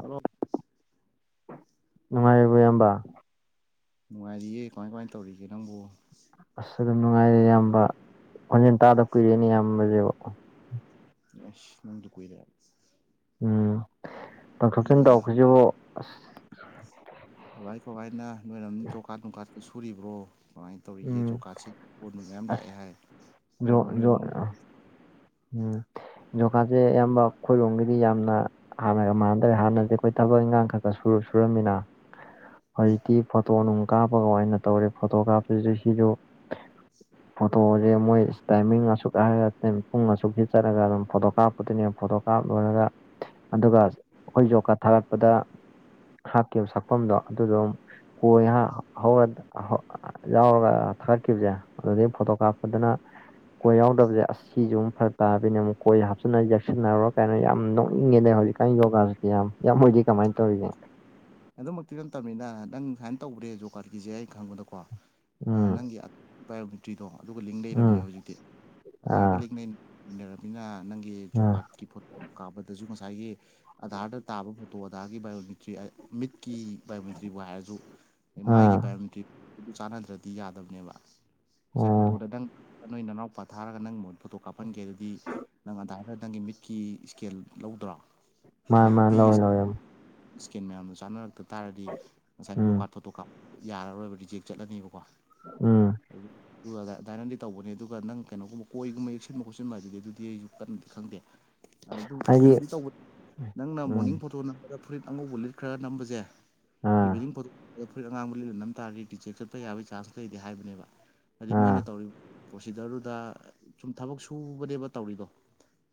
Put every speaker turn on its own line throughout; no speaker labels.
Hello
ꯅꯨꯡꯉꯥꯏꯔꯤꯕꯣ ꯏꯌꯥꯝꯕ
ꯅꯨꯡꯉꯥꯏꯔꯤꯌꯦ ꯀꯃꯥꯏ ꯀꯃꯥꯏ ꯇꯧꯔꯤꯒꯦ ꯅꯪꯕꯣ
ꯑꯁ ꯑꯗꯨꯝ ꯅꯨꯡꯉꯥꯏꯔꯤ ꯏꯌꯥꯝꯕ ꯈꯣꯟꯖꯦꯜ ꯇꯥꯗꯕ ꯀꯨꯏꯔꯦꯅꯦ ꯏꯌꯥꯝꯕꯖꯨ
ꯑꯁ ꯅꯪꯖꯨ ꯀꯨꯏꯔꯦ
ꯎꯝ ꯄꯪ [inaudible] ꯑꯁ
ꯀꯕꯥꯏ ꯀꯧꯕꯥꯏꯅ ꯅꯣꯏꯅ ꯑꯗꯨꯝ ꯣꯀꯥꯠ ꯅꯨꯡꯀꯥꯠ ꯁꯨꯔꯤꯕ꯭ꯔꯣ ꯀꯃꯥꯏꯅ ꯇꯧꯔꯤꯒꯦ
ꯎꯝ
ꯖꯣꯀꯥꯠ ꯁꯤ ꯑꯣꯣꯟꯕ ꯃꯌꯥꯝ ꯂꯥꯛꯑꯦ
ꯑꯁ
ꯍꯥꯏ
ꯖꯣ
ꯈꯣꯏꯔꯝꯒ ꯅꯣꯏ
ꯖꯣ ꯎꯝ ꯖꯣꯀꯥꯁꯦ ꯑꯌꯥꯝꯕ ꯑꯩꯣꯏꯔꯣꯝꯒꯤꯗꯤ ꯌꯥꯝꯅ ꯍꯥꯟꯅꯒ ꯃꯥꯟꯅꯗ ꯍꯥꯟꯅꯗꯤ ꯑꯩꯈꯣꯏ ꯊꯕꯛ ꯏꯟꯈꯥꯡ ꯈꯛ ꯁꯨꯔꯝꯃꯤꯅ
[unintelligible]
ꯍꯧꯖꯤꯛꯇꯤ ꯐꯣꯇꯣ ꯅꯨꯡꯝ ꯀꯥꯞꯄꯒ ꯑꯣꯏꯅ ꯇꯧꯔꯦ ꯐꯣꯇꯣꯒ꯭ꯔꯥꯐꯤꯁꯤꯦ ꯁꯤꯁꯨ ꯐꯇꯣꯦ ꯃꯣꯏ ꯇꯥꯏꯃꯤ ꯑꯁꯁꯨ ꯀꯥꯦ ꯇ ꯄꯨꯡ ꯑꯁꯨꯛꯁꯤ ꯆꯠꯂꯒ ꯑꯗꯨꯝ ꯐꯣꯇꯣ ꯀꯥꯞꯄꯗꯨꯣꯏꯅꯦꯕ ꯐꯣꯇꯣ ꯀꯥꯞ ꯂꯣꯏꯔꯒ ꯑꯗꯨꯒ ꯑꯩꯈꯣꯏ ꯌꯖꯣꯀꯥ ꯊꯥꯒꯠꯄꯗ ꯍꯥꯞꯈꯤꯕ ꯁꯛꯐꯝꯗꯣ ꯑꯗꯨꯗꯣ ꯀꯍ ꯍꯗ ꯌꯥꯎꯔꯒ ꯊꯥꯒꯠꯈꯤꯕꯁꯦ ꯑꯗꯨꯗꯩ ꯐꯣꯇꯣ ꯀꯥꯞꯄꯗꯅ ꯀꯣꯏ ꯌꯥꯎꯗꯕꯁꯦ ꯑꯁ ꯁꯤꯁꯨ ꯑꯃꯛ ꯐꯔꯛ ꯇꯥꯗꯣꯢꯅꯦ ꯑꯃꯨꯛ ꯀꯣꯏ ꯍꯥꯞꯆꯤꯟꯟꯅ ꯌꯦꯛꯁꯤꯟꯅꯕꯔꯥ ꯀꯩꯅꯣ ꯌꯥꯝꯅ ꯅꯣꯛꯅꯤꯡꯉꯦꯅꯦ ꯍꯧꯖꯤꯛ ꯀꯥꯟꯅ ꯌꯣꯒꯥꯁꯤ ꯌꯥꯝ ꯏꯌꯥꯝ ꯍꯣꯢꯗꯤ ꯀꯃꯥꯏꯅ ꯇꯧꯔꯤꯒꯦ
ꯑꯗꯨꯃꯛꯇꯤ ꯅꯠꯇꯕꯅꯤꯅ ꯅꯪ ꯁꯨꯃꯥꯏꯅ ꯇꯧꯒ꯭ꯔꯦ ꯖꯣ ꯀꯥꯔꯠꯀꯤꯁꯦ ꯑ ꯈꯪꯕꯗꯀꯣ
ꯎꯝ
ꯅꯪꯒꯤ ꯕꯥꯏꯌꯣꯃꯤꯇ꯭ꯔꯤꯗꯣ ꯑꯗꯨꯒ ꯂꯤꯡ
ꯎꯝ
ꯂꯩꯔꯕꯅꯦ ꯍꯧꯖꯤꯛꯇꯤ ꯑꯙꯥꯔ ꯒ
ꯑꯥ
ꯂꯤꯡ ꯂꯩꯅꯔꯕꯅꯤꯅ ꯅꯪꯒꯤ ꯖꯣꯕ
ꯑꯥ
ꯀꯥꯔꯠꯀꯤ ꯐꯣ ꯀꯥꯞꯕꯗꯁꯨ ꯉꯁꯥꯏꯒꯤ ꯑꯙꯥꯔꯗ ꯇꯥꯕ ꯐꯣ ꯇꯣꯗꯥꯒꯤ ꯕꯥꯏꯑꯣꯃꯤꯇ꯭ꯔꯤ ꯃꯤꯠꯀꯤ ꯕꯥꯏꯑꯣꯃꯤꯇ꯭ꯔꯤꯕꯨ ꯍꯥꯏꯔꯁꯨ
ꯑꯥ
ꯃꯥꯒꯤ ꯕꯥꯏꯑꯣꯃꯤꯇ꯭ꯔꯤ ꯆꯥꯟꯅꯗ꯭ꯔꯗꯤ ꯌꯥꯗꯕꯅꯦꯕ ꯉꯁꯥꯏ
ꯑꯣ
ꯐꯣꯇꯣꯗ ꯅꯪ ꯅꯣꯏ ꯅꯅꯥꯎꯄꯥ ꯊꯥꯔꯒ ꯅꯪꯒꯤ ꯃꯍꯨꯠ ꯐꯣꯇꯣ ꯀꯥꯞꯍꯟꯒꯦ ꯑꯗꯨꯗꯤ ꯅꯪ ꯑꯙꯥꯔꯗ ꯅꯪꯒꯤ ꯃꯤꯠꯀꯤ ꯏꯁꯀꯦꯜ ꯂꯧꯗ꯭ꯔꯣ
ꯃꯥ
ꯑꯗꯩ
ꯃꯥ
ꯀꯣꯄꯤꯒꯤ
ꯂꯧꯔꯦ ꯂꯧꯔꯦ
ꯏꯁꯀꯦꯟ ꯃꯌꯥꯝꯗꯣ ꯆꯥꯅꯔꯛꯇ ꯇꯥꯔꯗꯤ ꯉꯁꯥꯏꯅ
ꯎꯝ
ꯐ꯭ꯂꯣꯀꯥꯔꯠ ꯐꯣꯇꯣ ꯀꯥꯞ ꯌꯥꯔꯔꯣꯏꯕ ꯔꯤꯖꯦꯛ ꯆꯠꯂꯅꯤꯕꯀꯣ
ꯎ
ꯑꯗꯨ ꯑꯗꯨꯒ ꯗꯥꯏꯔꯟꯗꯤ ꯇꯧꯕꯅꯤ ꯑꯗꯨꯒ ꯅꯪ ꯀꯩꯅꯣꯒꯨꯝꯕ ꯀꯣꯏꯒꯨꯝꯕ ꯌꯦꯛꯁꯤꯟꯕ ꯈꯣꯠꯆꯟꯕ ꯑꯗꯨꯗꯤ ꯑꯗꯨꯗꯤ ꯑꯩꯁꯨ ꯀꯟꯅꯗꯤ ꯈꯪꯗꯦ ꯑꯗꯨ
ꯍꯥꯏꯗꯤ
ꯀꯩꯅꯣꯗꯤ ꯇꯧꯕꯗ ꯅꯪꯅ
ꯎꯝ
ꯃꯣꯔꯅꯤꯡ ꯐꯣꯇꯣ ꯅꯝꯒ ꯐꯨꯔꯤꯠ ꯑꯉꯧꯕ ꯂꯤꯠ ꯈ꯭ꯔꯒ ꯅꯝꯕꯁꯦ
ꯑꯥ
ꯏꯚꯤꯅꯤꯡꯣ ꯐ ꯑꯉꯥꯡꯕ ꯂꯤꯅ ꯅꯝ ꯇꯥꯔꯒꯗꯤ ꯇꯤꯆꯦꯛ ꯆꯠꯄ ꯌꯥꯕꯒꯤ ꯆꯥꯟꯁ ꯂꯩꯇꯦ ꯍꯥꯏꯕꯅꯦꯕ ꯍꯥꯏꯗꯤ
ꯑꯥ
ꯃꯣꯏꯅ ꯇꯧꯔꯤꯕ ꯄ꯭ꯔꯣꯁꯤꯗꯔꯗꯨꯗ ꯁꯨꯝ ꯊꯕꯛ ꯁꯨꯕꯅꯦꯕ ꯇꯧꯔꯤꯗꯣ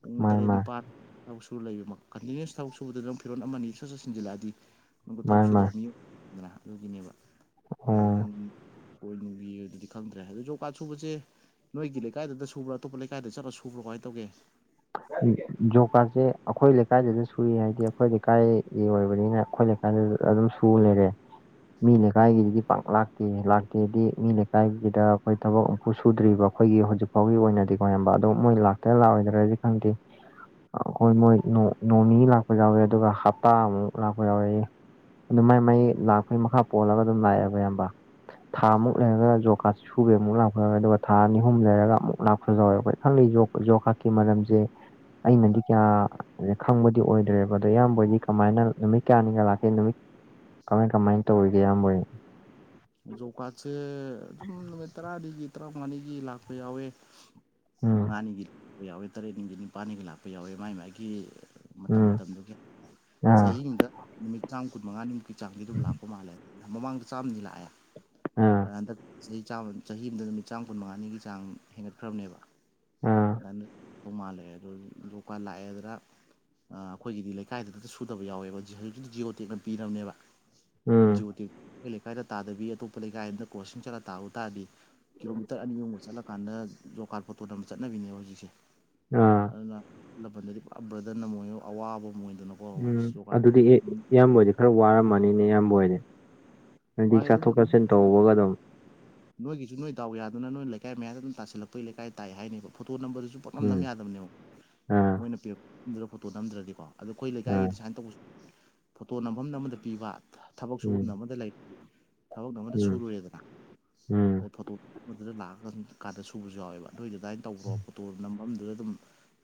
ꯄꯨꯡ
ꯃꯥ
ꯇꯔꯦꯠ
ꯃꯥ
ꯅꯤꯄꯥꯜ ꯊꯕꯨꯛ ꯁꯨꯔꯕ ꯂꯩꯕ ꯀꯟꯇꯤꯅ꯭ꯌꯨꯁ ꯊꯕꯛ ꯁꯨꯕꯗ ꯅꯪ ꯐꯤꯔꯣꯟꯜ ꯑꯃꯅꯤꯅꯤ ꯏꯁꯠ ꯆꯠꯁꯤꯟꯖꯤꯜꯂꯛꯑꯗꯤ ꯅꯪꯕꯨ
ꯃꯥ
ꯊꯕꯛ
ꯃꯥ
ꯁꯨꯗꯕ ꯃꯤꯅ ꯑꯗꯨꯒꯤꯅꯦꯕ ꯑꯗꯨꯗ
ꯑꯣ
ꯅꯪ ꯀꯣꯏ ꯕꯤ ꯑꯗꯨꯗꯤ ꯈꯪꯗ꯭ꯔꯦ ꯑꯗꯨꯗꯣ ꯌꯣꯒꯥꯥ ꯁꯨꯕꯁꯦ ꯅꯣꯏꯒꯤ ꯂꯩꯀꯥꯏꯗ ꯁꯕ꯭ꯔ ꯑꯇꯣꯞꯄ ꯂꯩꯥꯏꯗ ꯆꯠꯂꯒ ꯁꯨꯕ꯭ꯔꯣꯃꯥꯏꯅ ꯇꯧꯒꯦ
ꯎ ꯌꯣꯒ ꯀꯥꯔꯠꯁꯦ ꯑꯩꯈꯣꯏ ꯂꯩꯀꯥꯏꯗꯁꯨ ꯁꯨꯏ ꯍꯥꯏꯗꯤ ꯑꯩꯈꯣꯏ ꯂꯩꯀꯥꯏꯒꯤ ꯑꯣꯏꯕꯅꯤꯅ ꯑꯩꯈꯣꯏ ꯂꯩꯀꯥꯏ ꯑꯗꯨ ꯑꯗꯨꯝ ꯁꯨ ꯂꯩꯔꯦ ꯃꯤ
ꯎꯝ
ꯂꯩꯀꯥꯏꯒꯤꯗꯨꯗꯤ ꯄꯥꯡꯥꯛ ꯀ ꯂꯥꯛꯇꯦꯗꯤ ꯃꯤ ꯂꯩꯀꯥꯏꯒꯤꯗ ꯑꯩꯈꯣꯏ ꯊꯕꯛ ꯑꯃꯨꯝꯐꯨ ꯁꯨꯗ꯭ꯔꯤꯕ ꯑꯩꯈꯣꯏꯒꯤ ꯍꯧꯖꯤꯛ ꯐꯥꯎꯒꯤ ꯑꯣꯏꯅꯗꯤ ꯀꯔꯝꯕ ꯑꯗꯨꯣ ꯃꯣꯏ ꯂꯥꯛꯇ ꯂꯥꯛꯑꯣꯗ꯭ꯔꯗꯤ ꯈꯪꯗꯦ ꯑꯩꯈꯣꯏ
ꯎꯝ
ꯃꯣꯏ ꯅꯣꯡꯅꯤ ꯂꯥꯛꯄ ꯌꯥꯎꯋꯦ ꯑꯗꯨꯒ ꯍꯞꯇꯥ ꯑꯃꯨꯛ ꯂꯥꯛꯄ ꯌꯥꯎꯔꯦꯏ ꯑꯗꯨ ꯃꯥꯏ ꯃꯥꯏ ꯂꯥꯛꯄꯩ ꯃꯈꯥ ꯄꯣꯜꯂꯒ ꯑꯗꯨꯝ ꯂꯥꯛꯑꯦꯕ ꯏꯌꯥꯝꯕ ꯊꯥ ꯑꯃꯨꯛ ꯂꯩꯔꯒ ꯖꯣ ꯀꯥꯔ ꯁꯨꯕꯦ ꯑꯃꯨꯛ ꯂꯥꯛꯄ ꯌꯥꯎꯔꯦ ꯑꯗꯨꯒ ꯊꯥ ꯑꯅꯤ ꯑꯍꯨꯝ ꯂꯩꯔꯒ ꯑꯃꯨꯛ ꯂꯥꯛꯄꯁꯨ ꯌꯥꯎꯋꯦ ꯑꯩꯈꯣꯏ ꯈꯪꯂꯤ ꯣ ꯎ ꯌꯣꯈꯛꯀꯤ ꯃꯔꯝꯁꯦ ꯑꯩꯅꯗꯤ ꯀꯌꯥ ꯈꯪꯕꯗꯤ ꯑꯣꯏꯗ꯭ꯔꯦꯕ ꯑꯗꯣ ꯏꯌꯥꯝꯕꯗꯤ ꯀꯃꯥꯏꯅ ꯅꯨꯃꯤꯠ ꯀꯌꯥꯅꯤꯒ ꯂꯥꯛꯀꯦ ꯅꯨꯃꯤ ꯀꯃꯥꯏ ꯀꯃꯥꯏꯅ ꯇꯧꯔꯤꯒꯦ ꯑꯌꯥꯝꯕ
ꯖꯣꯕ ꯀꯥꯔꯠꯁꯦ ꯑꯗꯨꯝ ꯅꯨꯃꯤꯠ ꯇꯔꯥꯅꯤꯒꯤ ꯇꯔꯥꯃꯉꯥꯅꯤꯒꯤ ꯂꯥꯛꯄ ꯌꯥꯎꯋꯦ
ꯎꯝ
ꯃꯉꯥꯅꯤꯒꯤ ꯂꯥꯛꯄ ꯌꯥꯎꯋꯦ ꯇꯔꯦꯠꯅꯤꯒꯤ ꯅꯤꯄꯥꯜꯅꯤꯒꯤ ꯂꯥꯛꯄ ꯌꯥꯎꯋꯦ ꯃꯥꯏ ꯃꯥꯒꯤ ꯃꯇꯝ
ꯎꯝ
ꯃꯇꯝꯗꯨꯒꯤ
ꯑꯥ
ꯆꯍꯤ ꯑꯃꯗ ꯅꯨꯃꯤꯠ ꯆꯥꯝ ꯀꯨꯟꯃꯉꯥꯅꯤꯃꯨꯛꯀꯤ ꯆꯥꯡꯗꯤ ꯑꯗꯨꯝ ꯂꯥꯛꯄ ꯃꯥꯜꯂꯦꯕ ꯃꯃꯥꯡꯗ ꯆꯥꯝ ꯂꯦ
ꯑꯥ
ꯍꯟꯗꯛ ꯆꯍꯤ ꯆꯍꯤ ꯑꯃꯗ ꯅꯨꯃꯤꯠ ꯆꯥꯝ ꯀꯨꯟꯃꯉꯥꯅꯤꯒꯤ ꯆꯥꯡ ꯍꯦꯟꯒꯠꯈ꯭ꯔꯕꯅꯦꯕ
ꯎꯝ
ꯑꯗꯨ ꯃꯥꯥꯜꯂꯛꯑꯦ ꯑꯗꯨ ꯂꯀꯥꯟ ꯂꯥꯛꯑꯦꯗ꯭ꯔ ꯑꯩꯈꯣꯏꯒꯤꯗꯤ ꯂꯩꯀꯥꯏꯗꯨꯗꯇ ꯁꯨꯗꯕ ꯌꯥꯎꯋꯦꯕ ꯍꯧꯖꯤꯛ ꯍꯧꯤ ꯖꯤꯑꯣ ꯇꯦꯛꯅ ꯄꯤꯔꯔꯕꯅꯦꯕ
ꯎꯝ
ꯖꯤ ꯑꯣ ꯇꯤꯛ ꯑꯩꯈꯣ ꯂꯩꯀꯥꯏꯗ ꯇꯥꯗꯕꯤ ꯑꯇꯣꯞꯄ ꯂꯩꯀꯥꯏ ꯑꯃꯗ ꯀꯣꯆꯁꯤꯡ ꯆꯠꯂ ꯇꯥꯕ ꯇꯥꯗꯤ ꯀꯤꯂꯣꯃꯤꯇꯔ ꯑꯅꯤꯃꯨꯕ ꯆꯠꯂꯀꯥꯟꯗ ꯖꯣꯀꯥꯠ ꯐꯣꯇꯣꯟ ꯑꯃ ꯆꯠꯅꯕꯤꯅꯦꯕ ꯍꯧꯖꯤꯛꯁꯦ
ꯑꯥ
ꯑꯗꯨꯅ ꯂꯝꯕꯟꯗꯗꯤ ꯄꯨ ꯕ꯭ꯔꯗꯅ ꯑꯃꯣꯏ ꯑꯋꯥꯕ ꯑꯃ ꯑꯣꯏꯗꯅ
ꯎꯝ ꯑꯗꯨꯗꯤ ꯑꯦ ꯏꯌꯥꯝꯕ ꯑꯣꯏꯗꯤ ꯈꯔ ꯋꯥꯔꯝꯃꯅꯤꯅꯦ ꯏꯌꯥꯝꯕ ꯑꯣꯏꯗꯤ
ꯃꯥꯔꯦ ꯑꯗꯨꯝ ꯅꯣꯏꯒꯤꯁꯨ ꯅꯣꯏ ꯗꯥꯎ ꯌꯥꯗꯅ ꯅꯣꯏ ꯂꯩꯀꯥꯏ ꯃꯌꯥꯗ ꯑꯗꯨꯝ ꯇꯥꯁꯤꯜꯂꯛꯄꯩ ꯂꯩꯀꯥꯏ ꯇꯥꯏ ꯍꯥꯏꯅꯦꯕ ꯐꯣꯇꯣ ꯅꯝꯕꯔꯗꯨꯁꯨ ꯄꯣꯠ ꯅꯝ ꯅꯝ
ꯎꯝ
ꯌꯥꯗꯕꯅꯦꯕꯛ
ꯑꯥ
ꯃꯣꯏꯅ ꯄꯤꯔꯛꯗ꯭ꯔ ꯐꯣꯇꯣ ꯅꯝꯗ꯭ꯔꯗꯤꯀꯣ ꯑꯗꯣ ꯑꯩꯈꯣꯏ
ꯑꯥ
ꯂꯩꯀꯥꯏꯒꯤꯗꯤ ꯁꯨꯃꯥꯏꯅ ꯇꯧꯕꯁꯨ ꯐꯣꯇꯣ ꯅꯝꯐꯝꯗ ꯑꯃꯗ ꯄꯤꯕ ꯊꯕꯛ ꯁꯨꯐꯝꯗ
ꯎꯝ
ꯑꯃꯗ ꯂꯩ ꯊꯕꯛ ꯑꯃꯗ
ꯎꯝ
ꯁꯨꯔꯦꯗꯅ
ꯎꯝ
ꯑꯗꯩ ꯐꯣꯇꯣ ꯑꯗꯨꯗ ꯂꯥꯛꯑꯀ ꯀꯥꯟꯗ ꯁꯨꯕꯁꯨ ꯌꯥꯎꯋꯦꯕ ꯑꯗꯨꯏꯗꯨ ꯑꯗꯨꯗꯥꯥꯏꯅ ꯇꯧꯕ꯭ꯔꯣ ꯄꯣꯇꯣ ꯅꯥꯝꯗꯨꯗ ꯑꯗꯨꯝ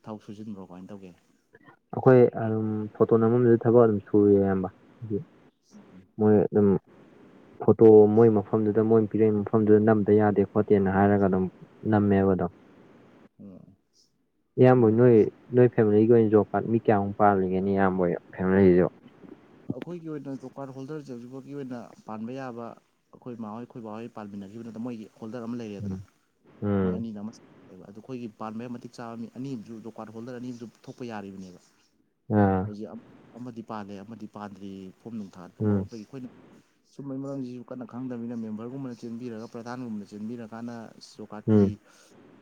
ꯊꯥꯎ ꯁꯨꯖꯤꯟꯕ꯭ꯔꯣ ꯀꯃꯥꯏꯅ ꯇꯧꯒꯦ
ꯑꯩꯈꯣꯏ ꯑꯗꯨꯝ ꯐꯣꯇꯣ ꯅꯝꯝꯕꯝꯕꯗꯨꯗ ꯊꯕꯛ ꯑꯗꯨꯝ ꯁꯨꯔꯤ ꯑꯌꯥꯝꯕ ꯍꯥꯏꯗꯤ ꯃꯣꯏꯝ ꯐ ꯑꯣ ꯃꯣꯏ ꯃꯐꯝꯗꯨꯗ ꯃꯣꯏ ꯄꯤꯔꯛꯏꯕ ꯃꯐꯝꯗꯨꯗ ꯅꯝꯗ ꯌꯥꯗꯦ ꯍꯣꯇꯦꯜꯅ ꯍꯥꯏꯔꯒ ꯑꯗꯨꯝ ꯅꯝꯃꯦꯕꯗꯣ
ꯎꯝ
ꯏꯌꯥꯝꯕ
ꯍꯣꯏꯅꯦ ꯑꯗꯨꯗꯤ
ꯅꯣꯏ ꯅꯣꯏ ꯐꯦꯃꯤꯂꯤꯒꯤ ꯑꯣꯏꯅ ꯖꯣꯕ ꯀꯥꯔꯗ ꯃꯤ ꯀꯌꯥꯃꯨꯛ ꯄꯥꯜꯂꯤꯒꯅꯤ ꯏꯌꯥꯝꯕꯣꯏ ꯐꯦꯃꯤꯂꯤꯁꯨ
ꯑꯩꯈꯣꯏꯒꯤ ꯑꯣꯏꯅ ꯀꯥꯔꯠ ꯍꯣꯜꯗꯔꯁꯦ ꯍꯧꯖꯤꯛꯐꯒꯤ ꯑꯣꯏꯅ ꯄꯥꯟꯕ ꯌꯥꯕ ꯑꯩꯈꯣꯏ ꯃꯥꯍꯣꯏ ꯑꯩꯈꯣꯏ ꯕꯥꯍꯣꯏ ꯄꯥꯃꯤꯟꯅꯈꯤꯕꯗꯨꯗ ꯃꯣꯏꯒꯤ ꯍꯣꯜꯗꯔ ꯑꯃ ꯂꯩꯔꯦꯗꯅ
ꯎꯝ
ꯃꯣꯏ
ꯎꯝ
ꯑꯅꯤꯗ ꯑꯃ ꯑꯣꯏꯕ ꯑꯗꯨꯣ ꯑꯩꯈꯣꯏꯒꯤ ꯄꯥꯟꯕ ꯌꯥꯝ ꯃꯇꯤꯛ ꯆꯥꯕ ꯃꯤ ꯑꯅꯤꯁꯨ ꯗꯨꯀꯥꯟ ꯍꯣꯜꯗꯔ ꯑꯅꯤꯁꯨ ꯊꯣꯛꯄ ꯌꯥꯔꯤꯕꯅꯦꯕ
ꯑꯥ
ꯍꯧ ꯑꯃꯗꯤ ꯄꯥꯜꯂꯦ ꯑꯃꯗꯤ ꯄꯥꯟꯗ꯭ꯔꯤ ꯐꯣꯝ ꯅꯨꯡ ꯊꯥꯠꯄ
ꯎꯝ
ꯈꯣꯠꯄꯒꯤ ꯑꯩꯈꯣꯏꯅ ꯁꯨꯝꯕꯩ ꯃꯔꯝꯁꯤꯁꯨ ꯀꯟꯅ ꯈꯪꯗꯅꯤꯅ ꯃꯦꯝꯕꯔꯒꯨꯝꯕꯅ ꯆꯦꯟꯕꯤꯔꯒ ꯄ꯭ꯔꯙꯥꯟꯒꯨꯝꯕꯅ ꯆꯦꯟꯕꯤꯔꯀꯥꯟꯗ ꯁꯣꯀꯥꯔꯠꯀꯤ
ꯎꯝ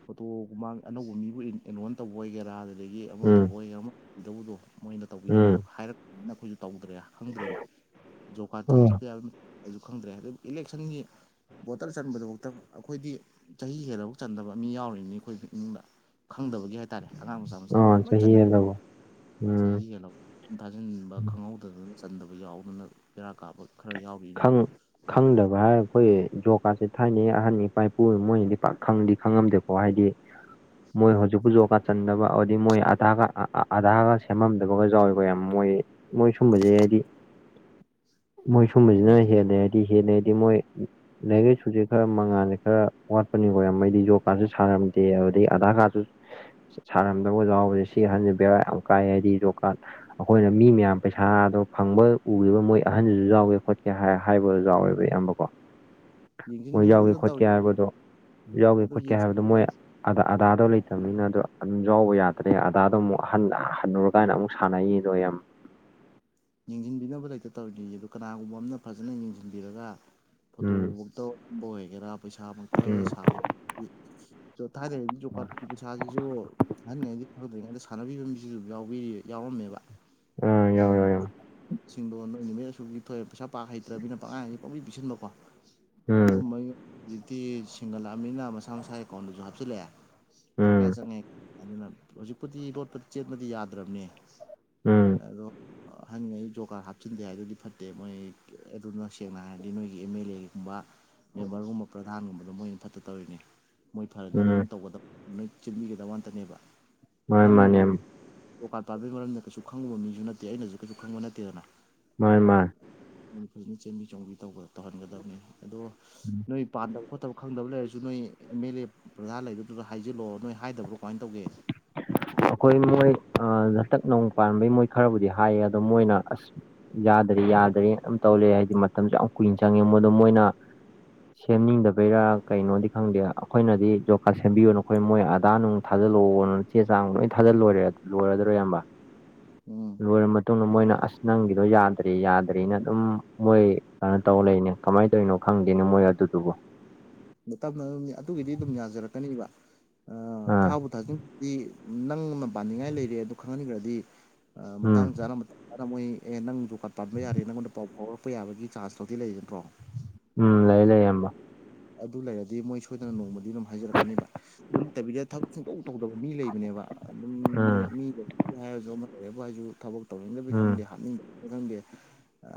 ꯐꯣꯇꯣꯒꯨꯃꯥꯡ ꯑꯅꯧꯕ ꯃꯤꯕꯨ ꯑꯦꯅꯣꯟ ꯇꯧꯕ ꯑꯣꯏꯒꯦꯔꯥ ꯑꯗꯨꯗꯒꯤ ꯑꯃ
ꯎꯝ
ꯇꯧꯕ ꯑꯃ ꯏꯗꯧꯕꯗꯣ ꯃꯣꯏꯅ
ꯎꯝ
ꯇꯧꯕꯤꯗꯧꯕꯗꯣ ꯍꯥꯏꯔꯛꯅ ꯑꯩꯈꯣꯏꯁꯨ ꯇꯧꯗ꯭ꯔꯦ ꯈꯪꯗ꯭ꯔꯦꯕ ꯖꯣꯀꯥꯔꯇ
ꯎꯝ
ꯍꯥꯞꯆꯗ꯭ꯔꯦ ꯍꯥꯏꯕ ꯑꯩꯁꯨ ꯈꯪꯗ꯭ꯔꯦ ꯍꯥꯏ ꯏꯂꯦꯛꯁꯟꯒꯤ ꯕꯣꯇꯜ ꯆꯟꯕꯗꯨꯐꯛꯇ ꯑꯩꯈꯣꯏꯗꯤ ꯆꯍꯤ ꯍꯦꯜꯂꯐꯧꯛ ꯆꯟꯗꯕ ꯃꯤ ꯌꯥꯎꯔꯤꯅꯤ ꯑꯩꯈꯣꯏ ꯏꯃꯨꯡꯗ ꯈꯪꯗꯕꯒꯤ ꯍꯥꯏꯇꯥꯔꯦ ꯑꯉꯥꯡ ꯃꯆꯥ ꯃꯆꯥ
ꯑꯥ
ꯂꯣꯏ
ꯆꯍꯤ
ꯆꯥꯟꯅꯔꯦ
ꯍꯦꯜꯂꯕꯣ
ꯆꯍꯤ
ꯎꯝ
ꯍꯦꯜꯂꯕ ꯆꯟꯕ ꯈꯪꯍꯧꯗꯗꯅ ꯆꯟꯗꯕ ꯌꯥꯎꯗꯅ ꯄꯦꯔꯥ ꯀꯥꯞꯕ ꯈꯔ ꯌꯥꯎꯔꯤꯅꯤ
ꯈꯪ ꯈꯪꯗꯕ ꯍꯥꯏꯔ ꯑꯩꯈꯣꯏ ꯌꯖꯣꯒꯥꯥꯁꯦ ꯊꯥꯏꯅꯩ ꯑꯍꯟ ꯏꯄꯥ ꯏꯄꯨ ꯃꯣꯏꯅꯗꯤ ꯄꯥꯛ ꯈꯪꯗꯤ ꯈꯪꯉꯝꯗꯦ ꯑꯣ ꯍꯥꯏꯗꯤ ꯃꯣꯏ ꯍꯧꯖꯤꯛꯄꯁꯨ ꯖꫭꯀꯥꯠ ꯆꯟꯗꯕ ꯍꯥꯏꯗꯤ ꯃꯣꯏ ꯑꯗꯥꯥꯒ ꯑꯙꯥꯒ ꯁꯦꯝꯃꯝꯗꯕꯒ ꯌꯥꯎꯋꯦꯀꫭ ꯌꯥꯝ ꯃꯣꯏ ꯃꯣꯏ ꯁꯨꯝꯕꯁꯦ ꯍꯥꯏꯗꯤ ꯃꯣꯏ
ꯑꯗꯨ
ꯁꯨꯝꯕꯁꯤꯅ ꯍꯦꯜꯂꯦ ꯍꯥꯏꯗꯤ ꯗꯤ ꯍꯦꯅꯦꯗꯤ ꯃꯣꯏ ꯂꯥꯏꯔꯤꯛ ꯂꯥꯏꯁꯨꯁꯦ ꯈꯔ ꯃꯉꯥꯟꯜꯁꯦ ꯈꯔ ꯋꯥꯠꯄꯅꯤ ꯀꫭ ꯃꯌꯥꯝ ꯖꯣꯀꯥꯠꯁꯨ ꯁꯥꯅꯔꯝꯗꯦ ꯑꯗꯨꯗꯒꯤ ꯑꯙꯥꯔ ꯀꯥꯔꯗꯁꯨ ꯁꯥꯔꯝꯗꯕ ꯌꯥꯎꯕꯁꯦ ꯁꯤ ꯍꯟꯁꯦ ꯕꯦꯔꯥ ꯌꯥꯝ ꯀꯥꯏ ꯍꯥꯏꯗꯤ ꯖꫭꯀꯥꯠ ꯑꯩꯈꯣꯏꯅ ꯃꯤ ꯃꯌꯥꯝ ꯄꯩꯁꯥꯗꯣ ꯐꯪꯕ ꯎꯈꯤꯕ ꯃꯣꯏ ꯑꯍꯟꯗꯨꯁꯨ ꯌꯥꯎꯋꯦ ꯍꯣꯠꯀꯦ ꯍꯥꯏ ꯍꯥꯏꯕꯗꯣ ꯌꯥꯎꯋꯦꯕ ꯏꯌꯥꯝꯕꯀꯣ ꯃꯣꯏ ꯌꯥꯎꯒꯦ
ꯌꯦꯡꯁꯤꯟꯕꯤꯗꯅ
ꯈꯣꯠꯀꯦ
ꯇꯧꯔꯤ
ꯍꯥꯏꯕꯗꯣ ꯌꯥꯎꯒꯦ
ꯑꯗꯨ
ꯈꯣꯠꯀꯦ ꯍꯥꯏꯕꯗꯣ ꯃꯣꯏ ꯑꯗꯥ ꯑꯙꯥꯔꯗꫭ ꯂꯩꯇꯕꯅꯤꯅ ꯑꯗꯣ ꯑꯗꯨꯝ ꯌꯥꯎꯕ ꯌꯥꯗ꯭ꯔꯦ ꯑꯙꯥꯔꯗꫭ ꯑꯃꯨꯛ ꯍꯟ ꯍꯥꯅꯨꯔ ꯀꯥꯏꯅ ꯑꯃꯨꯛ ꯁꯥꯟꯅꯩꯌꯦꯅꯣ ꯌꯥꯝ
ꯌꯦꯡꯁꯤꯟꯕꯤꯅꯕ ꯂꯩꯇ ꯇꯧꯔꯤꯅꯤ ꯑꯗꯣ ꯀꯅꯥꯒꯨꯝꯕ ꯑꯃꯅ ꯐꯖꯅ ꯌꯦꯡꯁꯤꯟꯕꯤꯔꯒ
ꯎꯝ
ꯐꯣꯇꯣꯃꯛꯇ ꯑꯣꯏꯒꯦꯔꯥ ꯄꯩꯁꯥꯃꯛꯇ
ꯎꯝ
ꯁꯥꯕ ꯊꯥꯏꯅꯩꯗꯤꯁꯨ ꯖꫭꯀꯥꯠ ꯄꯩꯁꯥꯁꯤꯁꯨ ꯑꯍꯟꯉꯩꯗꯤ ꯐꯪꯗꯣꯏꯔꯤꯉꯩꯗꯥ ꯁꯥꯟꯅꯕꯤꯕ ꯃꯤꯁꯤꯁꯨ ꯑꯗꯨꯝ ꯌꯥꯎꯕꯤꯔꯤ ꯌꯥꯎꯔꯝꯃꯦꯕ
ꯑꯥ ꯌꯥꯎ ꯌꯥꯎꯑꯦ
ꯁꯤꯡꯗꫭ ꯅꯣꯏ ꯅꯨꯃꯤꯠ ꯑꯁꯨ ꯊꯣꯏꯑꯦ ꯄꯩꯁꯥꯥ ꯄꯕꯥ ꯍꯩ꯭ꯇꯔꯕꯅꯤꯅ ꯄꯥꯡꯍꯥꯏ ꯍꯥꯏ ꯄꯥꯡꯄꯤ ꯄꯤꯁꯤꯟꯕꯀꯣ ꯑꯗꯨ
ꯎꯝ
ꯃꯣꯏ ꯍꯧꯖꯤꯛꯇꯤ ꯁꯦꯡꯒꯠꯂꯛꯑꯅꯤꯅ ꯃꯁꯥ ꯃꯁꯥ ꯑꯦꯀꯥꯎꯟꯗꯁꯨ ꯍꯥꯞꯆꯤꯜꯂꯛꯑꯦ ꯄꯩꯁꯥ
ꯎꯝ
ꯀꯌꯥ ꯆꯪꯉꯦ ꯑꯗꯨꯅ ꯍꯧꯖꯤꯛꯄꯨꯗꯤ ꯂꯣꯠꯄꯗꯤ ꯆꯦꯟꯕꯗꯤ ꯌꯥꯗ꯭ꯔꯕꯅꯦ ꯑ
ꯎꯝ
ꯑꯗꯨ ꯑꯍꯥꯟ ꯈꯩ ꯖꯣꯞ ꯀꯥꯠ ꯍꯥꯞꯆꯤꯟꯗꯦ ꯍꯥꯏꯗꯨꯗꯤ ꯐꯠꯇꯦ ꯃꯣꯏ ꯑꯗꯨꯅ ꯁꯦꯡꯅ ꯍꯥꯏꯔꯗꯤ ꯅꯣꯏꯒꯤ ꯑꯦꯝ ꯑꯦꯜ ꯂꯩꯒꯨꯝꯕ ꯃꯦꯝꯕꯔꯒꯨꯝꯕ ꯄ꯭ꯔꯙꯥꯟꯒꯨꯝꯕꯗꯣ ꯃꯣꯏꯅ ꯐꯠꯇ ꯇꯧꯔꯤꯅꯦ ꯃꯣꯏ ꯐꯔꯗꯤ
ꯎꯝ
ꯅꯣꯏ ꯇꯧꯒꯗ ꯅꯣꯏ ꯆꯦꯟꯕꯤꯒꯗꯥꯕ ꯉꯛꯇꯅꯦꯕ
ꯃꯥꯅꯦ
ꯅꯪꯅꯕꯨ
ꯃꯥꯅꯦ
ꯖꫭꯕ ꯀꯥꯠ ꯄꯥꯕꯩ ꯃꯔꯝꯗ ꯀꯩꯁꯨ ꯈꯪꯉꯨꯕ ꯃꯤꯁꯨ ꯅꯠꯇꯦ ꯑꯩꯅꯁꯨ ꯀꯩꯁꯨ ꯈꯪꯕ ꯅꯠꯇꯦꯗꯅ
ꯃꯥꯏ ꯃꯥ
ꯅꯣꯏ ꯐꯖꯅ ꯆꯦꯟꯕꯤ ꯆꯣꯡꯕꯤ ꯇꯧꯍꯟꯒꯗꯕꯅꯤ ꯑꯗꯣ ꯅꯣꯏ ꯄꯥꯟꯗꯕ ꯈꯣꯠꯇꯕ ꯈꯪꯗꯕ ꯂꯩꯔꯁꯨ ꯅꯣꯏ ꯑꯦꯝ ꯑꯦꯜ ꯑꯦ ꯄ꯭ꯔꯙꯥꯜ ꯂꯩꯗꯨꯗ ꯍꯥꯏꯖꯤꯜꯂꯛꯑꯣ ꯅꯣꯏ ꯍꯥꯏꯗꯕ꯭ꯔꯣ ꯀꯃꯥꯏꯅ ꯇꯧꯒꯦ
ꯑꯩꯈꯣꯏ ꯃꯣꯏ ꯍꯇꯛ ꯅꯣꯡ ꯄꯥꯟꯕꯩ ꯃꯣꯏ ꯈꯔꯕꯨꯗꯤ ꯍꯥꯏꯌꯦ ꯑꯗꯣ ꯃꯣꯏꯅ ꯑꯁ ꯌꯥꯗꯔꯤ ꯌꯥꯗꯔꯤ ꯑꯃꯝ ꯇꯧꯔꯑꯦ ꯍꯥꯏꯗꯤ ꯃꯇꯝꯁꯨ ꯌꯥꯝ ꯀꯨꯏꯅ ꯆꯪꯉꯦ ꯃꯗ ꯃꯣꯏꯅ ꯁꯦꯝꯅꯤꯡꯗꯕꯩꯔꯥ ꯀꯩꯅꯣꯗꯤ ꯈꯪꯗꯦ ꯑꯩꯈꯣꯏꯅꯗꯤ ꯖꯣꯕ ꯀꯥꯔꯗ ꯁꯦꯝꯕꯤꯌꯨ ꯅꯈꯣꯏ ꯃꯣꯏ ꯑꯗꯥ ꯅꯨꯡ ꯊꯥꯖꯤꯜꯂꯛꯑꯣꯅ ꯆꯦ ꯆꯥꯡ ꯂꯣꯏ ꯊꯥꯖꯤꯜꯂ‌ꯣꯏꯔ‌ꯦ ꯂꯣꯏꯔꯗꯔ ꯏꯌꯝꯕ
ꯎꯝ
ꯂꯣꯏꯔ ꯃꯇꯨꯡꯗ ꯃꯣꯏꯅ ꯑꯁ ꯅꯪꯒꯤꯗꯣ ꯌꯥꯗ꯭ꯔꯤ ꯌꯥꯗ꯭ꯔꯤꯅ ꯑꯗꯨꯝ ꯃꯣꯏ ꯀꯩꯅꯣ ꯇꯧ ꯂꯩꯅꯦ ꯀꯃꯥꯏꯅ ꯇꯧꯔꯤꯅꯣ ꯈꯪꯗꯦꯅ ꯃꯣꯏ ꯑꯗꯨꯗꯨꯕꯨ
ꯇꯞꯅꯝ ꯑꯗꯨꯒꯤꯗꯤ ꯑꯗꯨꯝ ꯌꯥꯖꯔꯛꯀꯅꯤꯕ
ꯑꯥ
ꯊꯥꯖꯟꯗꯤ ꯅꯪꯅ ꯄꯥꯅꯤꯡꯉꯥꯏ ꯂꯩꯔꯦ ꯑꯗꯨ ꯈꯪꯍꯟꯈ꯭ꯔꯗꯤ
ꯎꯝ
ꯃꯇꯥꯡ ꯆꯥꯅ ꯑꯗ ꯃꯣꯏ ꯑꯦ ꯅꯪ ꯖꫭꯕ ꯀꯥꯠ ꯄꯥꯟꯕ ꯌꯥꯔꯦ ꯅꯪꯉꯣꯟꯗ ꯄꯥꯎ ꯐꯥꯎꯔꯛꯄ ꯌꯥꯕꯒꯤ ꯆꯥꯟꯁ ꯐꯥꯎꯗꯤ ꯂꯩꯔꯤ ꯅꯠꯇꯔꯣ
ꯎꯝ ꯂꯩ ꯂꯩꯏꯌꯥꯝꯕ
ꯑꯗꯨ ꯂꯩꯔꯗꯤ ꯃꯣꯏ ꯁꯣꯏꯗꯅ ꯅꯣꯡꯃꯗꯤ ꯑꯗꯨꯝ ꯍꯥꯏꯖꯔꯛꯀꯅꯦꯕ ꯑꯗꯨ ꯅꯠꯇꯕꯤꯗ ꯊꯕꯛ ꯁꯨꯡꯇꯧ ꯇꯧꯗꯕ ꯃꯤ ꯂꯩꯕꯅꯦꯕ ꯑꯗꯨꯝ
ꯎꯝ
ꯃꯤꯗ ꯍꯥꯏꯔꯁꯨ ꯑꯃ ꯇꯧꯋ‌ꯦꯕꯨ ꯍꯥꯏꯁꯨ ꯊꯕꯛ ꯇꯧꯅꯤꯡꯗꯕꯩ
ꯎꯝ
ꯈꯪꯗꯦ ꯍꯞꯅꯤꯡꯗꯕꯩꯔ ꯈꯪꯗꯦ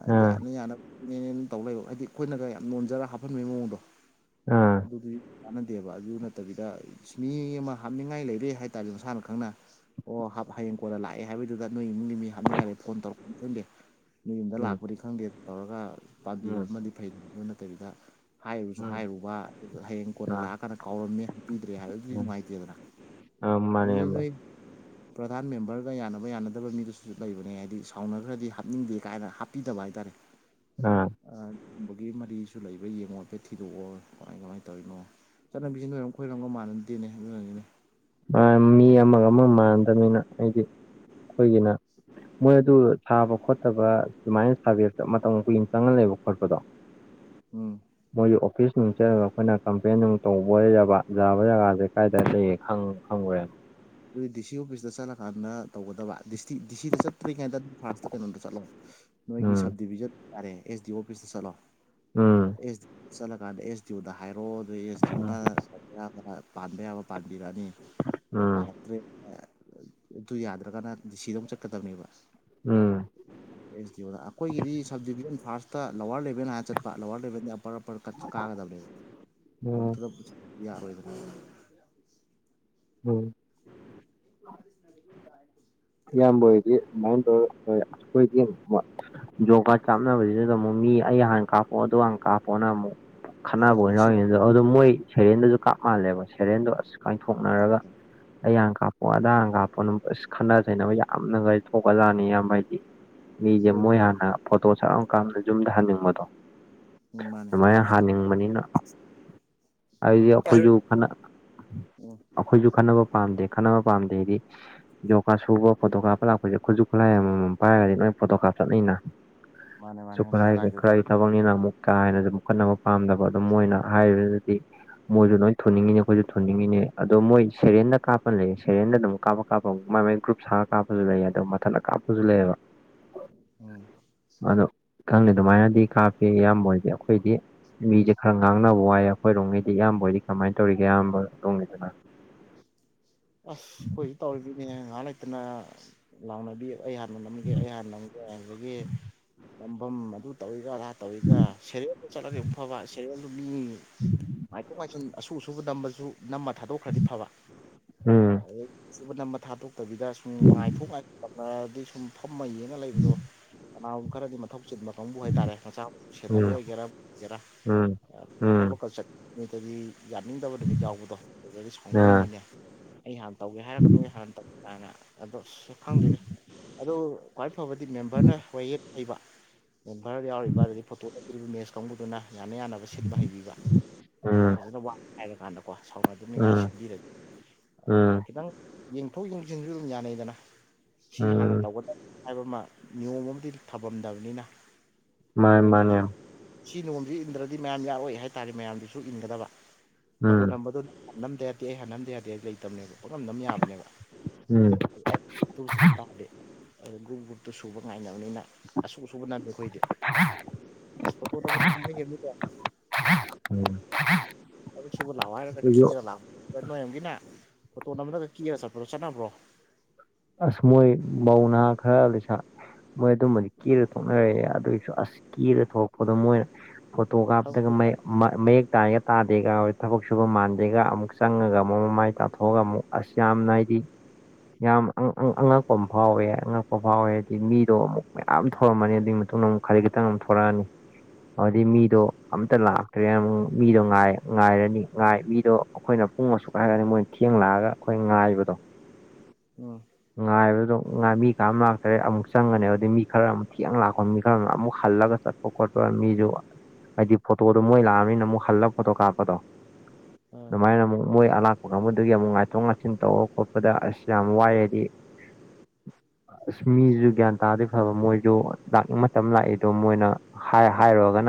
ꯑꯥ
ꯌꯥꯅ ꯌꯥꯅꯕꯅꯦꯅꯦꯅ ꯇꯧ ꯂꯩꯕ ꯍꯥꯏꯗꯤ ꯑꯩꯈꯣꯏꯅꯒ ꯌꯥꯝ ꯅꯣꯟꯖꯔꯒ ꯍꯥꯞꯍꯟꯕꯒꯤ ꯃꯑꯣꯡꯗꯣ
ꯑ
ꯑꯗꯨꯗꯤ ꯀꯥꯟꯅꯗꯦꯕ ꯑꯗꯨ ꯅꯠꯇꯕꯤꯗ ꯃꯤ ꯑꯃ ꯍꯥꯞꯅꯤꯡꯉꯥꯏ ꯂꯩꯔꯦ ꯍꯥꯏꯇꯥꯥꯔꯦ ꯃꯁꯥꯅ ꯈꯪꯅ ꯑꯣ ꯍꯥꯞ ꯍꯌꯦꯡ ꯀꯣꯟꯂ ꯂꯥꯛꯑꯦ ꯍꯥꯏꯗꯨꯗ ꯅꯣꯏ ꯏꯃꯨꯡꯒꯤ ꯃꯤ ꯍꯥꯞꯅꯤꯡꯉꯥꯏꯗ ꯐꯣꯟ ꯇꯧꯔꯛꯄ ꯈꯪꯗꯦ ꯅ‌ꯣꯏ ꯌꯨꯝꯗ
ꯎꯝ
ꯂꯥꯛꯄꯅꯤ ꯈꯪꯗꯦ ꯇꯧꯔꯒ
ꯎꯝ
ꯄꯥꯝꯕꯤꯔꯝꯃꯗꯤ ꯐꯩꯗ ꯑꯗꯨ ꯅꯠꯇꯕꯤꯗ ꯍꯥꯏꯔꯨꯁꯨ
ꯎꯝ
ꯍꯥꯏꯔꯨꯕ ꯍꯌꯦꯡ ꯀꯣꯟꯅ
ꯑꯥ
ꯂꯥꯛꯑꯀꯥꯟꯗ ꯀꯥꯎꯔꯝꯃꯦ ꯄꯤꯗ꯭ꯔꯦ ꯍꯥꯏꯕꯗꯨꯗꯤ ꯅꯨꯡꯉꯥꯏꯇꯦꯗꯅ
ꯑ ꯃꯥꯅꯦ
ꯑꯗꯨꯗꯤ
ꯏꯌꯥꯝꯕ
ꯅꯣꯏ ꯄ꯭ꯔꯙꯥꯟ ꯃꯦꯝꯕꯔꯒ ꯌꯥꯅꯕ ꯌꯥꯅꯗꯕ ꯃꯤꯗꯨꯁꯨ ꯂꯩꯕꯅꯦ ꯍꯥꯏꯗꯤ ꯁꯥꯎꯅ ꯈ꯭ꯔꯗꯤ ꯍꯥꯞꯅꯤꯡꯗꯦ ꯀꯥꯏꯅ ꯍꯥꯞꯄꯤꯗꯕ ꯍꯥꯏꯇꯥꯔꯦ [unintelligible]
ꯑꯥ
ꯑꯥ ꯕꯨꯒ‌ꯦ ꯃꯔꯤꯁꯨ ꯂꯩꯕ꯭ꯔ ꯌꯦꯡꯉꯣ ꯍꯥꯏꯐ‌ꯦꯠ ꯊꯤꯗꯣꯛꯑꯣ ꯀꯃꯥꯏ ꯀꯃꯥꯏꯅ ꯇꯧꯔꯤꯅꯣ ꯆꯠꯅꯕꯤꯁꯤꯅ ꯅꯣꯏꯔꯝ ꯈꯣꯏꯔꯝꯒ ꯃꯥꯟꯅꯗꯦꯅꯦ ꯑꯗꯨꯅꯅꯦ
ꯃꯥ ꯃꯤ ꯑꯃꯒ ꯑꯃ ꯃꯥꯟꯗꯕꯅꯤꯅ ꯑꯩꯗꯤ ꯑꯩꯈꯣꯏꯒꯤꯅ ꯃꯣꯏ ꯑꯗꯨ ꯁꯥꯕ ꯈꯣꯠꯇꯕ ꯁꯨꯃꯥꯏꯅ ꯁꯥꯕꯦꯛꯇ ꯃꯇꯝ ꯀꯨꯏꯅ ꯆꯪꯍꯜꯂꯦꯕ ꯈꯣꯠꯄꯗꯣ
ꯎꯝ
ꯃꯣꯏꯒꯤ ꯑꯣꯐꯤꯁ ꯅꯨꯡ ꯆꯠꯂꯒ ꯑꯩꯈꯣꯏꯅ ꯀꯝꯄ꯭ꯂꯦꯟ ꯅꯨꯡ ꯇꯧꯕ ꯌꯥꯕ ꯌꯥꯕ ꯖꯒꯥꯁꯦ ꯀꯥꯏꯗ ꯂꯩ ꯈꯪ ꯍꯪꯉꯣꯏ ꯌꯥ
ꯑꯗꯨꯏ ꯗꯤ ꯁꯤ ꯑꯣꯐꯤꯁꯇ ꯆꯠꯂꯀꯥꯟꯗ ꯇꯧꯒꯗꯕ ꯗꯤꯁꯇꯤ ꯗꯤ ꯁꯤꯗ ꯆꯠꯇ꯭ꯔꯤ ꯉꯩꯗ ꯐꯥꯔꯁꯇ ꯀꯩꯅꯣꯗ ꯆꯠꯂꯣ ꯅꯣꯏꯒꯤ
ꯎꯝ
ꯁꯕ ꯗꯤꯕꯤꯖꯟ ꯌꯥꯔꯦ ꯑꯦꯁ ꯗꯤ ꯑꯣꯐꯤꯁꯇ ꯆꯠꯂ‌ꯣ
ꯎꯝ
ꯑꯦꯁ ꯗꯤ ꯆꯠꯂꯀꯥꯟꯗ ꯑꯦꯁ ꯗꯤ ꯑꯣꯗ ꯍꯥꯏꯔ‌ꯣ ꯑꯦꯁ ꯗꯤ ꯑꯣꯅ ꯑꯌꯥꯝꯕꯅ ꯄꯟꯕ ꯄꯥꯟ ꯄꯥꯟꯕꯤꯔꯅꯤ꯫
ꯎꯝ
ꯑꯗꯨ ꯌꯥꯗ꯭ꯔꯒꯅ ꯗꯤꯁꯤꯗ ꯑꯃꯨꯛ ꯆꯠꯀꯗꯕꯅꯦꯕ꯫
ꯎꯝ
[unintelligible] ꯑꯁꯗꯤꯑꯣꯅ ꯑꯩꯈꯣꯏꯒꯤꯗꯤ subdivision first. Lower eleven ꯍꯥꯏꯔꯅ ꯆꯠꯄ ꯂꯋꯥꯔ ꯂ‌ꯦꯕꯦꯟꯗꯤ ꯑꯄꯔ ꯑꯄꯔ ꯀꯥꯠꯁ ꯀꯥꯒꯗꯕꯅꯦ
ꯎꯝ
ꯑꯃꯨꯛꯇꯗ ꯌꯥꯔꯣꯏꯗꯅꯥ
ꯎꯝ
[unintelligible]
ꯏꯌꯥꯝꯕ ꯑꯣꯏꯔꯗꯤ ꯑꯗꯨꯃꯥꯏꯅ ꯇꯧꯔ ꯇꯧꯏ ꯑꯩꯈꯣꯏꯗꯤ ꯃꯥ ꯖꯣꯞꯀꯥꯠ ꯀꯞꯅꯕꯖꯤꯗꯅ ꯃꯨꯛ ꯃꯤ ꯑꯩ ꯍꯥꯟ ꯀꯥꯞꯄꯛꯑꯣ ꯑꯗꯨ ꯍꯥꯟꯅ ꯀꯥꯞꯄꯣꯅ ꯑꯃꯨꯛ꯫ ꯈꯠꯅꯕ ꯑꯣꯏꯅ
ꯑꯁ
ꯌꯥꯎꯏꯅꯦ ꯑꯗꯣ ꯑꯗꯣ ꯃꯣꯏ ꯁꯦꯔꯦꯟꯗꯁꯨ ꯀꯥꯞ ꯃꯥꯜꯂꯦꯕ ꯁꯦꯔꯦꯟꯗꯣ ꯑꯁ꯫ ꯀꯥꯏꯊꯣꯛꯅꯔꯒ
ꯊꯣꯛꯑꯦ
ꯑꯩ ꯍꯥꯡ ꯀꯥꯞꯄꯣ ꯑꯗꯥ ꯍꯥꯡ ꯀꯥꯞꯄꯣ ꯑꯗꯨꯝ ꯑꯁ ꯈꯠꯅ ꯀꯩꯅꯅꯕ ꯌꯥꯝꯅꯈ ꯊꯣꯛꯈꯔꯖꯠꯅꯤ ꯑꯌꯥꯝꯕ ꯑꯩꯗꯤ ꯃꯤꯁꯦ ꯃꯣꯏ
ꯊꯣꯛꯑꯦ
ꯍꯥꯟꯅ꯫ ꯐꯣꯇꯣ ꯁꯠ ꯂꯥꯎꯅ ꯀꯥꯞꯄꯒ ꯌꯨꯝꯗ ꯍꯟꯅꯤꯡꯕꯗꯣ꯫
ꯎꯝ ꯃꯥꯅꯦ
ꯑꯗꯨꯃꯥꯏꯅ ꯍꯥꯟꯅꯤꯡꯕꯅꯤꯅ ꯍꯥꯏꯗꯤ ꯑꯩꯈꯣꯏꯁꯨ ꯈꯅ
ꯎꯝ
ꯑꯩꯈꯣꯏꯁꯨ ꯈꯟꯅꯕ ꯄꯥꯝꯗꯦ ꯈꯟꯅꯅꯕ ꯄꯥꯝꯗꯦ ꯍꯥꯏꯗꯤ ꯁꯨꯕ ꯐꯣꯇꯣ ꯀꯥꯞ ꯂꯄꯗ ꯈꯨꯁꯨ ꯈꯨꯠꯂꯥꯏ ꯑꯃꯃꯝ ꯄꯥꯏꯔꯒꯗꯤ ꯂꯣꯏ ꯐꯣꯇꯣ ꯀꯥꯞ ꯆꯠꯅꯩꯅ꯫
ꯃꯥꯅꯦ ꯃꯥꯅꯦ ꯈꯨꯠꯂꯥꯏꯗꯨꯗ
[unintelligible] ꯊꯕꯛ ꯅꯦꯅ ꯑꯃꯨꯛ ꯀꯥ ꯍꯦꯅ ꯑꯗꯨ ꯈꯠꯅꯕ ꯄꯥꯝꯗꯕ ꯑꯗꯨꯝ ꯃꯣꯏꯅ ꯍꯥꯏꯔꯤꯕꯗꯨꯗꯤ꯫ ꯃꯣꯏꯁꯨ ꯅꯣꯏ ꯊꯨꯅꯤꯡꯉꯤꯅꯦ ꯑꯩꯈꯣꯏꯁꯨ ꯊꯨꯅꯤꯡꯉꯤꯅꯦ ꯑꯗꯣ ꯃꯣꯏ ꯁꯦꯔꯦꯟꯗ ꯀꯥꯞꯄꯅ ꯂꯩꯌꯦ ꯁꯦꯔꯦꯟꯗ ꯑꯗꯨꯝ ꯀꯥꯞꯄ ꯀꯥꯞꯄ ꯃꯥꯏ ꯃꯥꯏ ꯒ꯭ꯔꯨꯞꯁꯒ ꯀꯥꯞꯄꯁꯨ ꯂꯩ ꯑꯗ ꯃꯊꯟ ꯀꯥꯞꯄꯁꯨ ꯂꯩꯑꯕ
ꯎꯝ
ꯑꯗꯨ ꯈꯪꯗꯦ ꯑꯗꯨꯃꯥꯏꯅꯗꯤ ꯀꯥꯞꯄꯤ ꯏꯌꯥꯝꯕ ꯑꯣꯏꯗꯤ ꯑꯩꯈꯣꯏꯗꯤ꯫ ꯃꯤꯁꯦ ꯈꯔ ꯉꯥꯡꯅꯕ ꯋꯥꯏ ꯑꯩꯈꯣꯏꯔꯣꯝꯒꯤꯗꯤ ꯏꯌꯥꯝꯕ ꯑꯣꯏꯗꯤ ꯀꯃꯥꯏꯅ ꯇꯧꯔꯤꯒꯦ ꯑꯌꯥꯝꯕ ꯔꯣꯝꯒꯤꯗꯅ꯫
ꯑꯁ ꯑꯩꯈꯣꯏꯁꯨ ꯇꯧꯔꯤꯗꯨꯅꯦ ꯉꯥꯏꯍꯥꯛ ꯂꯩꯇꯅ ꯂꯥꯎꯅꯕꯤ꯫ ꯑꯩ ꯍꯥꯟꯅ ꯅꯝꯒꯦ ꯑꯩ ꯍꯥꯟꯅ ꯅꯝꯒꯦ ꯑꯗꯒꯤ ꯅꯝꯕꯝ ꯑꯗꯨ ꯇꯧꯋꯤꯒ ꯑꯗ ꯇꯧꯋꯤꯒ ꯁꯦꯔꯦꯜꯗ ꯆꯠꯂꯗꯤ ꯑꯃꯨꯛ ꯐꯕ ꯁꯦꯔꯦꯜꯖꯨ ꯃꯤ ꯉꯥꯏꯊꯣꯛ ꯉꯥꯏꯁꯤꯟ ꯑꯁꯨ ꯗꯨꯕꯨ ꯅꯝꯕꯁꯨ ꯅꯝꯃ ꯊꯥꯗꯣꯛꯈ꯭ꯔꯗꯤ ꯐꯕ꯫
ꯎꯝ
ꯑꯗꯩ ꯁꯠ ꯅꯝꯃ ꯊꯥꯗꯣꯛꯇꯕꯤꯗ ꯁꯨꯝ ꯉꯥꯏꯊꯣꯛ ꯉꯥꯏꯁꯤꯟ ꯇꯧꯅꯔꯗꯤ ꯁꯨꯝ ꯐꯝꯃ ꯌꯦꯡꯉ ꯂꯩꯕꯗꯣ ꯀꯅꯥꯒꯨꯝꯕ ꯈꯔꯗꯤ ꯃꯊꯧ ꯆꯤꯟꯕ ꯀꯥꯡꯕꯨ ꯍꯥꯏꯇꯥꯔꯦ ꯃꯆꯥꯥ ꯃꯁꯨ ꯁꯦꯟꯅꯕ
ꯎꯝ
ꯑꯣꯏꯒꯦꯔꯥ ꯑꯃꯕꯨ ꯑꯣꯢꯒꯦꯔꯥ
ꯎꯝ ꯎꯝ
ꯊꯕꯛ ꯀ ꯆꯠ ꯅꯨꯃꯤꯠꯇꯗꯤ ꯌꯥꯅꯤꯡꯗꯕ ꯅꯨꯃꯤꯠ ꯌꯥꯎꯕꯗꯣ ꯑꯗꯨꯗꯤ
ꯑꯥ
ꯁꯥꯎꯅꯩꯅꯤꯅꯦ ꯑꯩ ꯍꯥꯟꯅ ꯇꯧꯒꯦ ꯍꯥꯢꯔꯒ ꯅꯣꯢ ꯍꯥꯟꯅ ꯀꯅ ꯑꯗꯣ ꯑꯁ ꯈꯪꯗꯦꯗ ꯑꯗꯨ ꯈ꯭ꯋꯥꯏ ꯐꯕꯗꯤ ꯃꯦꯝꯕꯔꯅ [unintelligible] ꯍꯩꯕ ꯃꯦꯝꯕꯔ ꯌꯥꯎꯔꯤꯕ ꯑꯗꯩꯗꯤ ꯐꯣꯇꯣ ꯂꯩ [unintelligible] ꯀꯥꯡꯕꯨꯗꯨꯅ ꯌꯥꯅ ꯌꯥꯅꯕ ꯁꯤꯟꯕ ꯍꯩꯕꯤꯕ
ꯎꯝ
ꯐꯖꯅ ꯋꯥ ꯍꯥꯏꯕ ꯀꯥꯟꯗ ꯀꯣ ꯁꯥꯎꯅ ꯗꯅꯤꯡꯉꯥꯏ
ꯎꯝ
ꯁꯤꯟꯕꯤꯔꯗꯤ
ꯎꯝ
ꯈꯤꯇꯪ ꯌꯦꯡꯊꯣꯛ ꯌꯦꯡꯁꯤꯟꯖꯨ ꯑꯗꯨꯝ ꯌꯥꯅꯩꯗꯅ ꯁꯤ ꯍꯥꯟꯅ
ꯎꯝ
ꯇꯧꯒꯗꯕ ꯍꯥꯏꯕ ꯑꯃ ꯅꯤꯌꯣꯝ ꯑꯃꯗꯤ ꯊꯝꯃꯝꯗꯕꯅꯤꯅ
ꯃꯥꯅꯦ
ꯅꯤꯌꯣꯝꯗꯨꯗꯤ
ꯃꯥꯅꯦ ꯎꯝ
ꯁꯤ ꯅꯣꯡꯃꯖ ꯏꯟꯗ꯭ꯔꯗꯤ ꯃꯌꯥꯝ ꯌꯥꯔꯣꯏ ꯍꯥꯏꯇꯥꯔꯗꯤ ꯃꯌꯥꯝꯗꯨꯁꯨ ꯏꯟꯒꯗꯕ ꯐꯣꯇꯣ ꯅꯝꯕꯗꯣ ꯅꯝꯗ ꯌꯥꯗꯦ ꯑꯩ ꯍꯥꯟꯅ ꯅꯝꯗ ꯌꯥꯗꯦ ꯍꯥꯢꯕ ꯂꯩꯇꯕꯅꯦꯕ ꯄꯪꯅꯝ ꯅꯝ ꯌꯥꯕꯅꯦꯕ
ꯎꯝ
[unintelligible] ꯑꯗꯨ ꯒ꯭ꯔꯨꯞ ꯒ꯭ꯔꯨꯞꯇꯨ ꯁꯨꯕ ꯉꯥꯏꯅꯕꯅꯤꯅ ꯑꯁꯨ ꯑꯁꯨꯕ ꯅꯝꯃꯦ ꯈꯣꯏꯗꯤ ꯐꯣꯇꯣ ꯅꯝꯕꯖꯦ ꯀꯨꯝꯍꯩ ꯑꯃꯅꯤꯀꯣ ꯊꯕꯛ ꯁꯨꯕ ꯂꯥꯛꯎ ꯍꯥꯢꯔꯒ
ꯑꯩꯈꯣꯏꯁꯨ
ꯀꯦꯔ ꯂꯥꯛ ꯅꯣꯏꯔꯣꯝꯒꯤꯅ ꯐꯣꯇꯣ ꯅꯝꯕꯗꯒ ꯀꯦꯔꯒ ꯆꯠꯄꯗꯣ ꯆꯠꯅꯕ꯭ꯔꯣ
ꯑꯁ ꯃꯣꯢ ꯃꯧ ꯅꯍꯥ ꯈꯔ ꯂꯩꯁꯥ ꯃꯣꯏ ꯑꯗꯨꯝꯕꯗꯤ ꯀꯦꯔ ꯊꯣꯛꯅꯔꯛꯑꯦ ꯑꯗꯣꯢꯁꯨ ꯑꯁ ꯀꯦꯔ ꯊꯣꯛꯂꯛꯄꯗꯣ ꯃꯣꯏ ꯐꯣꯇꯣ ꯀꯥꯞꯄꯗꯒ ꯃꯌꯦ
ꯊꯕꯛ
ꯃ ꯃꯌꯦꯛ ꯇꯥꯏꯒ ꯇꯥꯗꯦꯒ ꯊꯕꯛ ꯁꯨꯕ ꯃꯥꯟꯗꯦꯒ ꯑꯃꯨꯛ ꯆꯪꯉꯒ ꯑꯃꯨꯛ ꯃꯃꯥꯏ ꯇꯥꯊꯣꯛꯑꯒ ꯑꯃꯨꯛ ꯑꯁ ꯌꯥꯝꯅ ꯍꯥꯏꯗꯤ ꯌꯥꯝ ꯑꯉꯛ ꯑꯉꯛꯄ ꯑꯃ ꯐꯥꯎꯋꯦ ꯑꯉꯛꯄ꯫ ꯄ ꯐꯥꯎꯋꯦ ꯍꯥꯏꯗꯤ ꯃꯤꯗꯣ ꯑꯃꯨꯛ ꯃꯌꯥꯝ ꯊꯧꯔꯝꯃꯅꯤ ꯑꯗꯨꯒꯤ ꯃꯇꯨꯡꯗ ꯑꯃꯨꯛ ꯈꯖꯤꯛ ꯈꯤꯇꯪ ꯑꯃꯨꯛ ꯊꯣꯛꯂꯛꯑꯅꯤ ꯑꯗꯨꯗꯩ
ꯎꯝ
ꯃꯤꯗꯣ ꯇ ꯂꯥꯛꯇ꯭ꯔꯦꯅ ꯃꯤꯗꯣ ꯉꯥꯏ ꯉꯥꯏꯔꯅꯤ ꯉꯥꯏ ꯃꯤꯗꯣ ꯑꯩꯈꯣꯏꯅ ꯄꯨꯡ ꯑꯁꯨꯛ ꯍꯥꯏꯔꯒꯗꯤ ꯃꯣꯏꯅ ꯊꯦꯡ ꯂꯥꯛꯑꯒ ꯑꯩꯈꯣꯏ ꯉꯥꯏꯕꯗꯣ
ꯎꯝ
ꯉꯥꯏꯕꯗꯣ ꯉꯥꯏ ꯃꯤ ꯀꯥ ꯅꯥꯝ ꯂꯥꯛꯇꯔꯦ ꯑꯃꯨꯛ ꯆꯪꯉ ꯅꯦꯕ ꯑꯗꯩ ꯃꯤ ꯈꯔ ꯑꯃꯨꯛ ꯊꯦꯡꯅ ꯂꯥꯛꯄ ꯃꯤ ꯈꯔ ꯑꯃꯅ ꯑꯃꯨꯛ ꯍꯜꯂꯒ ꯆꯠ ꯄꯨꯈꯣꯠꯄ ꯃꯤꯖꯨ ꯍꯥꯏꯗꯤ ꯐꯣꯇꯣꯗꯨ ꯃꯣꯏ ꯂꯥꯛꯑꯕꯅꯤꯅ ꯑꯃꯨꯛ ꯍꯜꯂꯒ ꯐꯣꯇꯣ ꯀꯥꯞꯄꯗꯣ
ꯑ
ꯑꯗꯨꯃꯥꯏꯅ ꯃꯨꯛ ꯃꯣꯏ ꯑꯂꯥꯛꯄ ꯀꯥꯡꯕꯗꯨꯒꯤ ꯑꯃꯨꯛ ꯉꯥꯏꯊꯣꯛ ꯉꯥꯏꯁꯤꯟ ꯇꯧꯕ ꯈꯣꯠꯄꯗ ꯑꯁ ꯌꯥꯝ ꯋꯥꯏ ꯑꯗꯤ ꯑꯁ ꯃꯤꯁꯨ ꯒ꯭ꯌꯥꯟ ꯇꯥꯔꯗꯤ ꯐꯕ ꯃꯣꯏꯁꯨ ꯂꯥꯛꯅꯤꯡ ꯃꯇꯝ ꯂꯥꯛꯏꯗꯣ ꯃꯣꯏꯅ꯫ ꯍꯥꯏ ꯍꯥꯏꯔꯨꯔꯒꯅ꯫